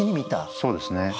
そうですね。